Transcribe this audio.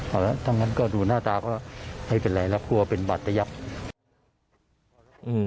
เอาละดูหน้าตาก็ให้เป็นไรและกลัวเป็นบัตยัพท์